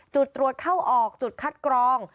จุดตรวจเข้าออกจุดคัดกรอง